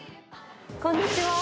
こんにちは。